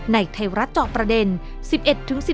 ในไทยรัฐจอประเด็น๑๑๑๔กรกฎาคมนี้